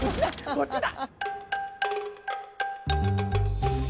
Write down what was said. こっちだ！